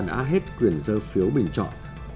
đã hết quyền dơ phiếu bình chọn